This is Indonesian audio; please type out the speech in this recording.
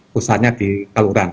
pusatnya di kalurahan